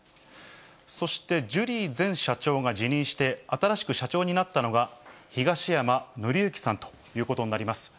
そしてジュリー前社長が辞任して、新しく社長になったのが、東山紀之さんということになります。